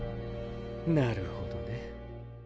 なるほどね。